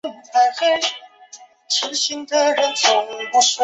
泰特斯维尔为布拉瓦县的行政中心。